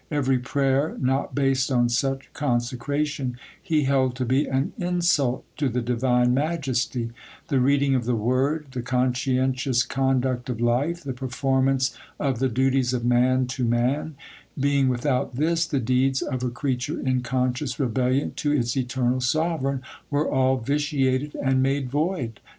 Every prayer, not based on such consecration, he held to be an insult to the Divine Majesty;—the reading of the Word, the conscientious conduct of life, the performance of the duties of man to man, being, without this, the deeds of a creature in conscious rebellion to its Eternal Sovereign, were all vitiated and made void.